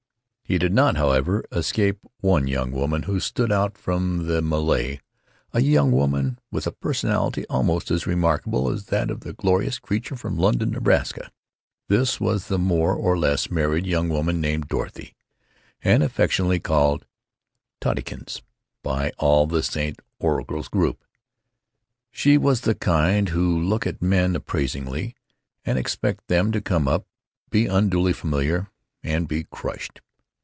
He did not, however, escape one young woman who stood out from the mêlée—a young woman with a personality almost as remarkable as that of the glorious creature from London, Nebraska. This was the more or less married young woman named Dorothy, and affectionately called "Tottykins" by all the St. Orgul's group. She was of the kind who look at men appraisingly, and expect them to come up, be unduly familiar, and be crushed.